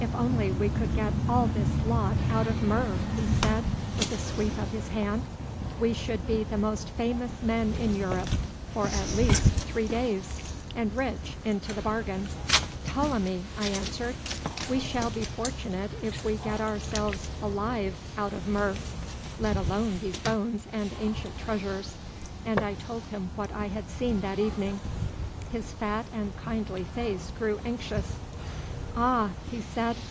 "If only we could get all this lot out of Mur," he said, with a sweep of his hand, "we should be the most famous men in Europe for at least three days, and rich into the bargain." "Ptolemy," I answered, "we shall be fortunate if we get ourselves alive out of Mur, let alone these bones and ancient treasures," and I told him what I had seen that evening. His fat and kindly face grew anxious. "Ah!" he said.